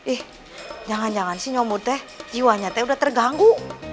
ih jangan jangan si nyomu teh jiwanya teh udah terganggu